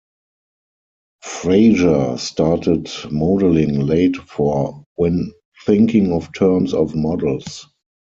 Fraser started modeling late for when thinking of terms of models.